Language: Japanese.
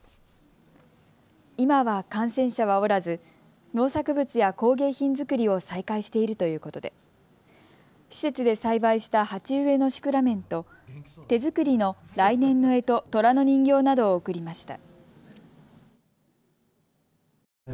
今は感染者はおらず農作物や工芸品作りを再開しているということで施設で栽培した鉢植えのシクラメンと手作りの来年のえと、とらの人形などを贈りました。